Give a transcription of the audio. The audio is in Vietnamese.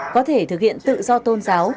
có thể thực hiện tự do tôn giáo